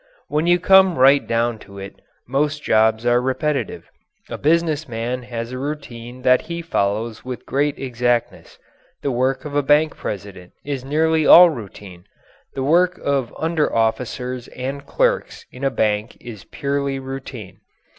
When you come right down to it, most jobs are repetitive. A business man has a routine that he follows with great exactness; the work of a bank president is nearly all routine; the work of under officers and clerks in a bank is purely routine.